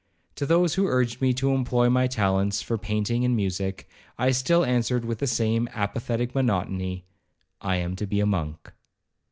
To those who urged me to employ my talents for painting and music, I still answered with the same apathetic monotony, 'I am to be a monk.'